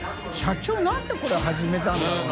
卍なんでこれ始めたんだろうな？